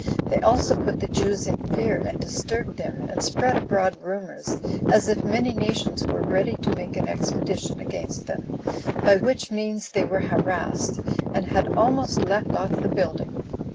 They also put the Jews in fear, and disturbed them, and spread abroad rumors, as if many nations were ready to make an expedition against them, by which means they were harassed, and had almost left off the building.